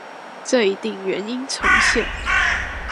這一定原音重現